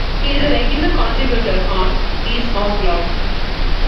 He is a regular contributor on DeSmogBlog.